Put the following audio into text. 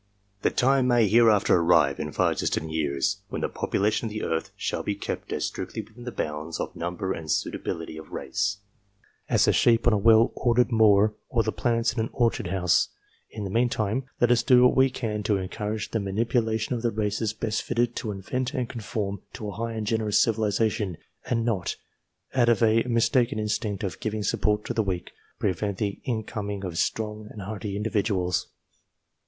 The time may hereafter arrive, in far distant years, when the population of the earth shall be kept as strictly within the bounds of number and suitability of race, as the sheep on a well ordered moor or the plants in an orchard house ; in the meantime, let us do what we can to encourage the multiplication of the races best fitted to invent and conform to a high and generous civilization, and not, out of a mistaken instinct of giving support to the weak, prevent the incoming of strong and hearty individuals.